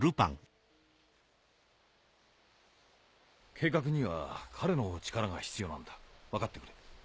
・計画には彼の力が必要なんだ分かってくれ・